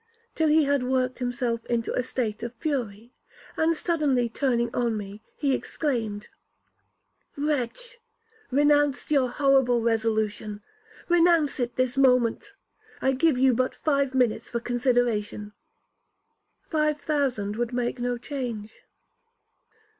till he had worked himself into a state of fury; and, suddenly turning on me, he exclaimed, 'Wretch! renounce your horrible resolution,—renounce it this moment! I give you but five minutes for consideration.' 'Five thousand would make no change.'